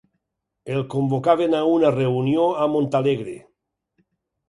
El convocaven a una reunió a Montalegre.